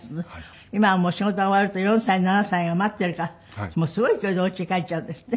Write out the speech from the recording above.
今はもう仕事が終わると４歳７歳が待っているからすごい勢いでお家へ帰っちゃうんですって？